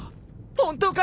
本当か！？